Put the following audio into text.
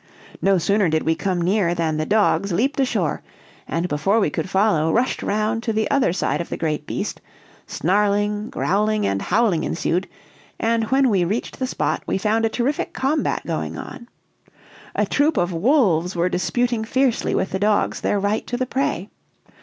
No sooner did we come near, than the dogs leaped ashore, and before we could follow, rushed round to the other side of the great beast; snarling, growling, and howling ensued, and when we reached the spot we found a terrific combat going on. A troop of wolves were disputing fiercely with the dogs their right to the prey.